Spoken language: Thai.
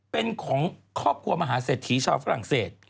เป็นของครอบครัวมหาเศรษฐีชาวฝรั่งเศส